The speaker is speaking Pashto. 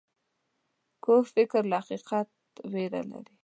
کوږ فکر له حقیقت ویره لري